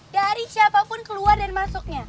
dari siapapun keluar dan masuknya